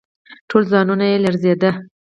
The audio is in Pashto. ټول ځان يې لړزېده.